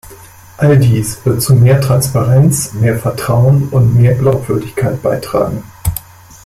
All dies wird zu mehr Transparenz, mehr Vertrauen und mehr Glaubwürdigkeit beitragen.